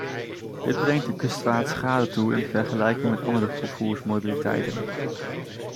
Dit brengt de kustvaart schade toe in vergelijking met andere vervoersmodaliteiten.